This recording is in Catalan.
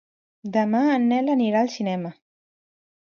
Demà en Nel anirà al cinema.